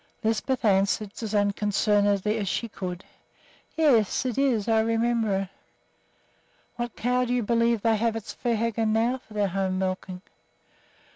Lisbeth answered as unconcernedly as she could, "Yes, it is; I remember it." "What cow do you believe they have at Svehaugen now for their home milking?"